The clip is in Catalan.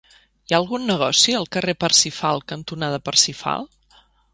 Hi ha algun negoci al carrer Parsifal cantonada Parsifal?